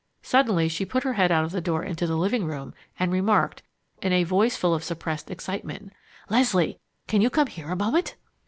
Suddenly she put her head out of the door into the living room and remarked, in a voice full of suppressed excitement: "Leslie, can you come here a moment?"